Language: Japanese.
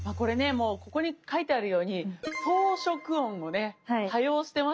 もうここに書いてあるように装飾音をね多用してますよね。